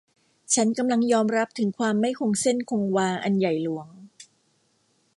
ฉันกำลังยอมรับถึงความไม่คงเส้นคงวาอันใหญ่หลวง